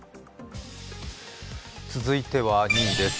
続いては２位です。